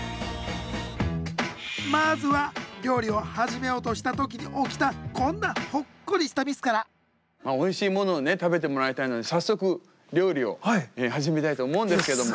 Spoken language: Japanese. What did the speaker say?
まずは料理を始めようとした時に起きたこんなほっこりしたミスからおいしいものを食べてもらいたいので早速料理を始めたいと思うんですけども。